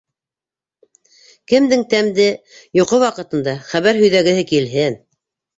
Кемдең тәмде йоҡо ваҡытында хәбәр һөйҙәгеһе киһен?!